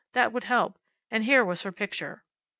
That would help. And here was her picture.